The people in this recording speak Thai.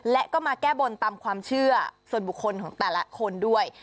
และก็มาแก้บนตามความเชื่อส่วนบุคคลของแต่ละคนด้วย